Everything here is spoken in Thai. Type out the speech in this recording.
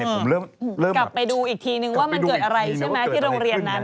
ผมเริ่มกลับไปดูอีกทีนึงว่ามันเกิดอะไรใช่ไหมที่โรงเรียนนั้น